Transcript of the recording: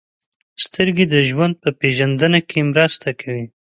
• سترګې د ژوند په پېژندنه کې مرسته کوي.